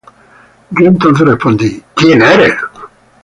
Yo entonces respondí: ¿Quién eres, Señor?